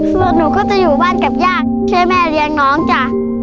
ส่วนหนูก็จะอยู่บ้านกับญาติช่วยแม่เลี้ยงน้องจ้ะ